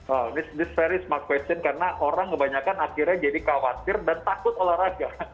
oh this this very smart question karena orang kebanyakan akhirnya jadi khawatir dan takut olahraga